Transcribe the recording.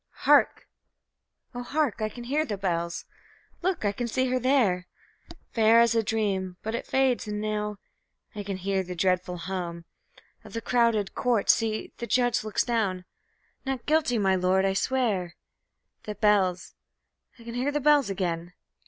Hark! Oh, hark! I can hear the bells!... Look! I can see her there, Fair as a dream... but it fades... And now I can hear the dreadful hum Of the crowded court... See! the Judge looks down... NOT GUILTY, my Lord, I swear... The bells I can hear the bells again!...